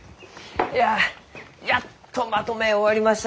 いややっとまとめ終わりました！